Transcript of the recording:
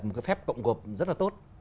một cái phép tộng gộp rất là tốt